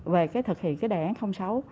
về cái thực hiện cái đề án sáu